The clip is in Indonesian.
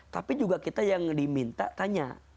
tapi juga kita yang diminta tanya